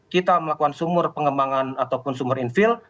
kita melakukan sumur pengembangan ataupun sumur infill